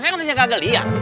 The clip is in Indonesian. saya kan masih kagak lihat